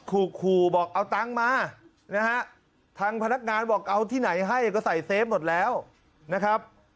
ขู่ขู่บอกเอาตังค์มานะฮะทางพนักงานบอกเอาที่ไหนให้ก็ใส่เซฟหมดแล้วนะครับ